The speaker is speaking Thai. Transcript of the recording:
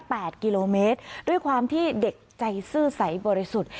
แปดกิโลเมตรด้วยความที่เด็กใจซื่อใสบริสุทธิ์